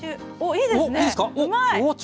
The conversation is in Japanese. いいですよ。